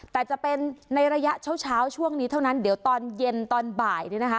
แต่จะเป็นในระยะเช้าช่วงนี้เท่านั้นเดี๋ยวตอนเย็นตอนบ่ายเนี่ยนะคะ